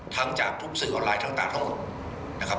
ทั้งจากภูมิสื่อออนไลน์ะทางต่างกระโกม